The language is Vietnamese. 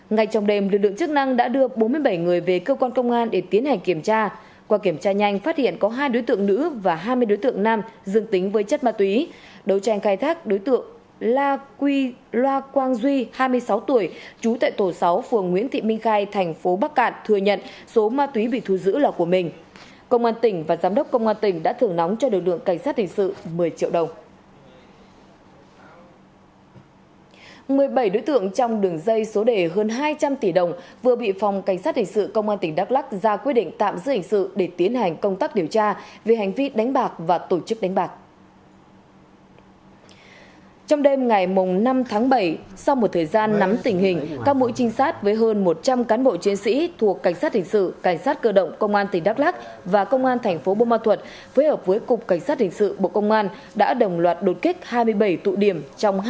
ngày trong đêm lực lượng chức năng đã đưa bốn mươi bảy người về cơ quan công an để tiến hành kiểm tra qua kiểm tra nhanh phát hiện có hai đối tượng nữ và hai mươi đối tượng nam dương tính với chất ma túy đấu tranh khai thác đối tượng la quy loa quang duy hai mươi sáu tuổi trú tại tổ sáu phường nguyễn thị minh khai thành phố bắc cạn thừa nhận số ma túy bị thu giữ là của mình công an tỉnh và giám đốc công an tỉnh đã thưởng nóng cho lực lượng cảnh sát hình sự một mươi triệu đồng